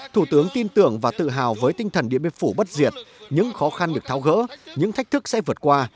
thủ tướng tin tưởng và tự hào với tinh thần điện biên phủ bất diệt những khó khăn được tháo gỡ những thách thức sẽ vượt qua